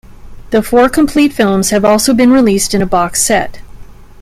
The four complete films have also been released in a box set.